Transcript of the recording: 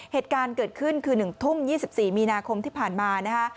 เหตุการณ์เกิดขึ้นคือ๑ทุ่ม๒๔มีนาคมที่ผ่านมานะคะ